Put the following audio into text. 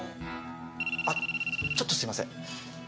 あちょっとすいません。